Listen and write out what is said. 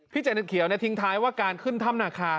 พี่เจนท์เขียวเนี่ยทิ้งท้ายว่าการขึ้นถำนาคา